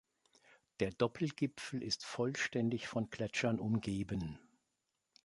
Der Doppelgipfel ist vollständig von Gletschern umgeben.